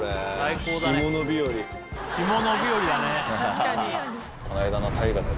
確かに。